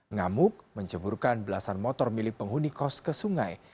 ngamuk menjeburkan belasan motor milik penghuni kos ke sungai